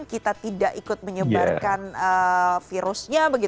kita tidak ikut menyebarkan virusnya